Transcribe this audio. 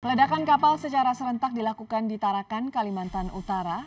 ledakan kapal secara serentak dilakukan di tarakan kalimantan utara